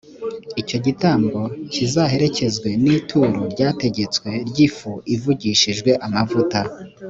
icyo gitambo kizaherekezwe n’ituro ryategetswe ry’ifu ivugishijwe amavuta.